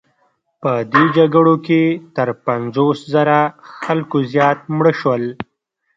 په دې جګړو کې تر پنځوس زره خلکو زیات مړه شول.